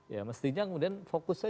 ya mestinya kemudian fokus saja